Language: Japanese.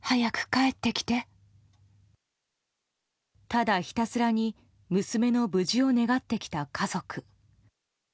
ただひたすらに娘の無事を願ってきた家族。